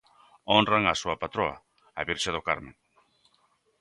Honran a súa patroa, a Virxe do Carme.